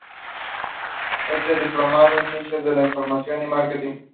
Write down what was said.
Está diplomada en ciencias de la información y márketing.